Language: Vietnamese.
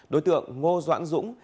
đối tượng ngô doãn duong